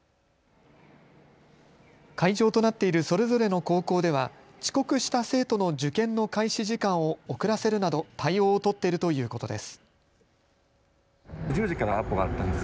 会場となっているそれぞれの高校では遅刻した生徒の受験の開始時間を遅らせるなど対応を取っているということです。